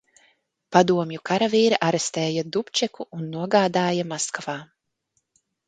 Padomju karavīri arestēja Dubčeku un nogādāja Maskavā.